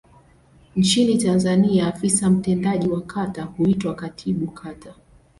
Nchini Tanzania afisa mtendaji wa kata huitwa Katibu Kata.